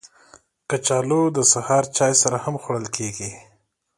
کچالو د سهار چای سره هم خوړل کېږي